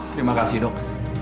terima kasih dok